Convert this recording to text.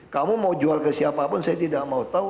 kamu mau jual ke siapa pun saya tidak mau tau